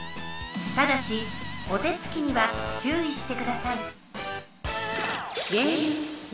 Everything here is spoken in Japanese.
ただしお手つきにはちゅういしてくださいみんな！